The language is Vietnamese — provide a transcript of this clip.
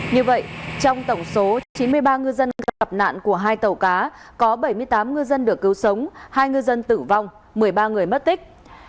như vậy trong tổng số chín mươi ba ngư dân gặp nạn của hai tàu cá có bảy mươi tám ngư dân được cứu sống hai ngư dân tử vong một mươi ba người mất tích